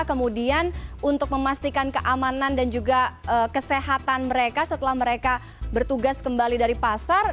kemudian untuk memastikan keamanan dan juga kesehatan mereka setelah mereka bertugas kembali dari pasar